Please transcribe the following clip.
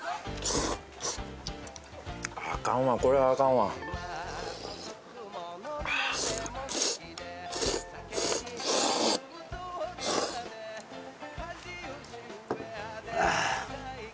あかんわこれはあかんわああ